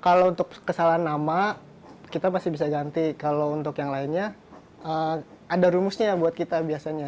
kalau untuk kesalahan nama kita pasti bisa ganti kalau untuk yang lainnya ada rumusnya buat kita biasanya